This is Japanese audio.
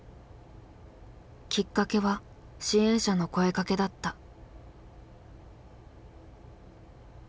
きっかけは支援者の声かけだった。